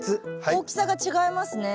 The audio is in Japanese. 大きさが違いますね。